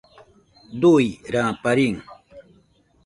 Dui ramparín